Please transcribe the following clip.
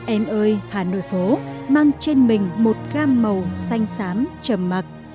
em ơi hà nội phố mang trên mình một gam màu xanh sám trầm mặc